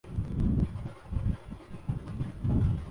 پاکستان کی شکست نے افسردہ کردیا تھا